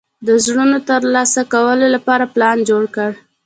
د زړونو ترلاسه کولو لپاره پلان جوړ کړ.